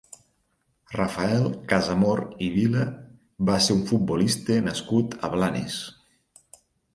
Rafael Casamor i Vila va ser un futbolista nascut a Blanes.